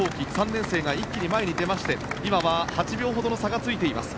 ３年生が一気に前に出まして今は８秒ほどの差がついています。